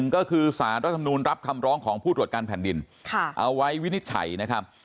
ก็คือสารรัฐมนูลรับคำร้องของผู้ตรวจการแผ่นดินเอาไว้วินิจฉัยนะครับ